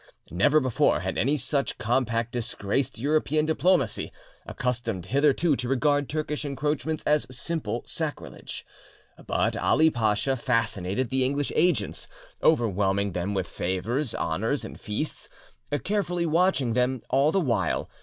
Never before had any such compact disgraced European diplomacy, accustomed hitherto to regard Turkish encroachments as simple sacrilege. But Ali Pacha fascinated the English agents, overwhelming them with favours, honours, and feasts, carefully watching them all the while.